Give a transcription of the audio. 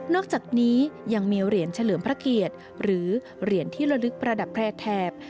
อกจากนี้ยังมีเหรียญเฉลิมพระเกียรติหรือเหรียญที่ละลึกประดับแพร่แถบ